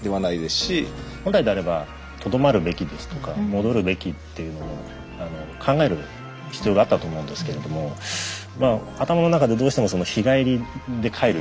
本来であればとどまるべきですとか戻るべきっていうのも考える必要があったと思うんですけれども頭の中でどうしても日帰りで帰る日帰りで帰るっていう思いがですね